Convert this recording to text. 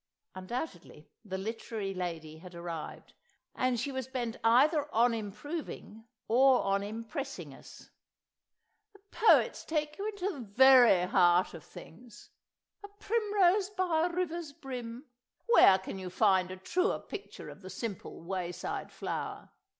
(Undoubtedly the Literary Lady had arrived; and she was bent either on improving or on impressing us!) "The poets take you into the very heart of things. 'A primrose by a river's brim'; where can you find a truer picture of the simple wayside flower?